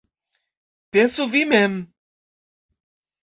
Pensu vi mem!